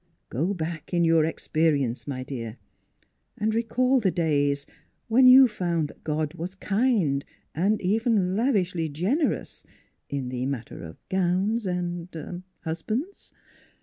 Go back in your experience, my dear, and recall the days when you found that God was kind and even lav ishly generous in the matter of gowns and er husbands."